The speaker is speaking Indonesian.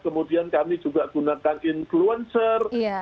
kemudian kami juga gunakan influencer